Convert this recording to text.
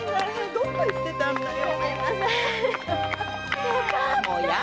どこ行ってたんだい。